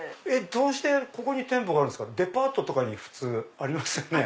どうしてここに店舗があるんすかデパートに普通ありますよね。